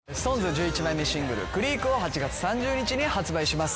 １１枚目シングル『ＣＲＥＡＫ』を８月３０日に発売します。